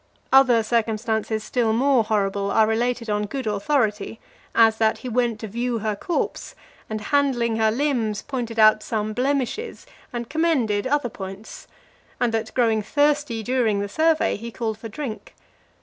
Other circumstances, still more horrible, are related on good authority; as that he went to view her corpse, and handling her limbs, pointed out some blemishes, and commended other points; and that, growing thirsty during the survey, he called for drink.